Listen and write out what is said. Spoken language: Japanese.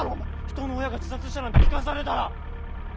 人の親が自殺したなんて聞かされたら。